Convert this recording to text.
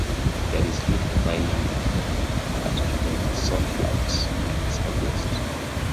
There is little mining but in the salt flats in the southwest.